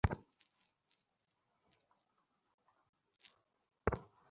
জুলাই মাসে বা তার আগেই ফ্রান্সে পৌঁছবার আশা করছি।